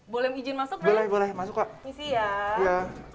boleh izin masuk boleh boleh masuk ke isi ya oh ini aku lihat juga smartlog ya berarti ya bisa